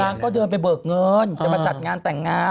นางก็เดินไปเบิกเงินจะมาจัดงานแต่งงาน